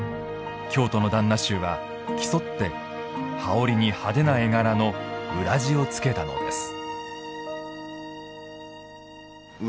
京都の旦那衆は、競って羽織に派手な絵柄の裏地をつけたのです。